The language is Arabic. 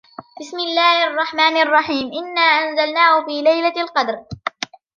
بِسْمِ اللَّهِ الرَّحْمَنِ الرَّحِيمِ إِنَّا أَنْزَلْنَاهُ فِي لَيْلَةِ الْقَدْرِ